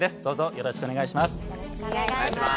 よろしくお願いします。